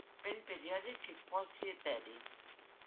Vent periòdic i quasi eteri.